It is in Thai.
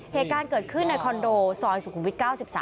เหตุการณ์เกิดขึ้นในคอนโดซอยสุขุมวิท๙๓